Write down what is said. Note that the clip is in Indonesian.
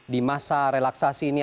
di masa relaksasi ini